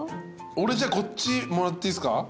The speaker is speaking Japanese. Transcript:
俺じゃあこっちもらっていいっすか？